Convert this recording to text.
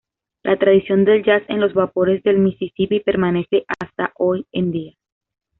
La tradición del jazz en los vapores del Misisipi permanece hasta hoy en día.